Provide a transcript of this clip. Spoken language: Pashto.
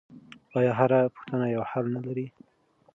آیا هره پوښتنه یو حل نه لري؟